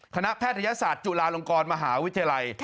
แพทยศาสตร์จุฬาลงกรมหาวิทยาลัย